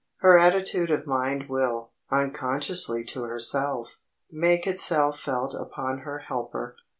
Her attitude of mind will, unconsciously to herself, make itself felt upon her helper.